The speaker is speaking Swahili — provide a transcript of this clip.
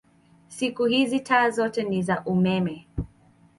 Siku hizi taa zote ni za umeme.